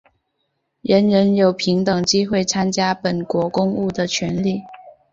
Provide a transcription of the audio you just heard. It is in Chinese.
人人有平等机会参加本国公务的权利。